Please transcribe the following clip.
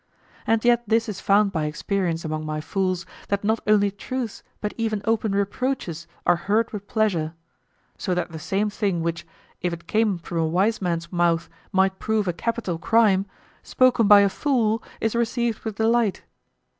And yet this is found by experience among my fools, that not only truths but even open reproaches are heard with pleasure; so that the same thing which, if it came from a wise man's mouth might prove a capital crime, spoken by a fool is received with delight.